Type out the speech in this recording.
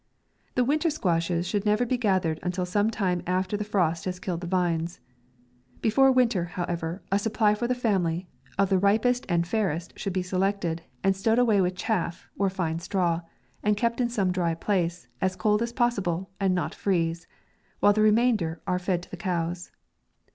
The winter squashes should never be gath ered until some time after the frost has killed the vines. Before winter, however, a supply for the family, of the ripest and fairest should be selected and stowed away with chaff, or fine straw, and kept in some dry place, as cold as possible and not freeze ; while the remain der are fed to the cows.